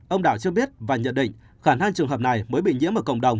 ông đạo cho biết và nhận định khả năng trường hợp này mới bị nhiễm ở cộng đồng